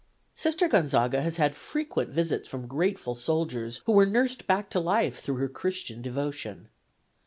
Sister Gonzaga has had frequent visits from grateful soldiers who were nursed back to life through her Christian devotion.